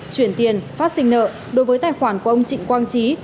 chuyển tiền phát sinh nợ đối với tài khoản của ông trịnh quang trí